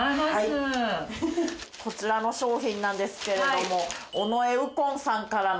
こちらの商品なんですけれども尾上右近さん。